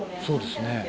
そうですね。